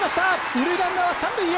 二塁ランナーは三塁へ！